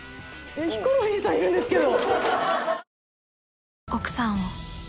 ヒコロヒーさんいるんですけど！